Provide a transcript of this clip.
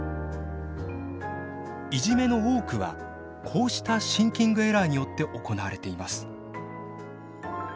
いじめの多くはこうしたシンキングエラーによって行われています。